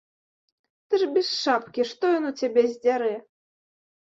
Ты ж без шапкі, што ён у цябе здзярэ?